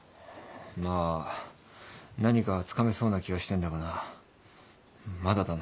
まあ何かつかめそうな気はしてんだがなまだだな。